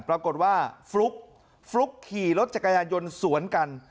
ปรากฏว่าฟลุ๊กฟลุ๊กขี่รถจักรยานยนต์สวนกัน